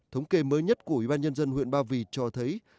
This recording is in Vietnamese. thống kê mới nhất của ubnd huyện ba vì cho thấy